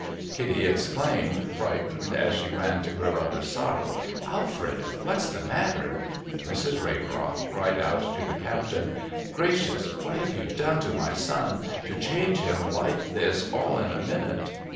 Kitty exclaimed, frightened, as she ran to her lover's side, ' Alfred ! ^Vhat's the matter ?' Mrs. Raybrock cried out to the captain, ' Gracious ! what have you done to my son to change him like this all in a minute?'